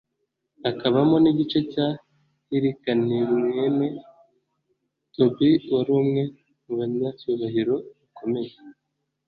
hakabamo n'igice cya hirikanimwene tobi wari umwe mu banyacyubahiro bakomeye